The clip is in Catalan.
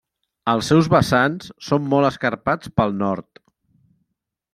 Els seus vessants són molt escarpats pel nord.